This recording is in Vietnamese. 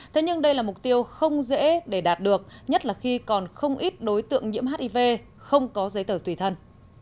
thế nhưng đây là mục tiêu không dễ để đạt được nhất là khi còn không ít đối tượng nhiễm hiv không có giấy tờ tùy thân